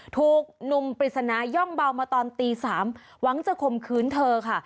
ถูกหนุ่มปริศนาย่องเบามาตอนตี๓หวังจะข่มขืนเธอค่ะ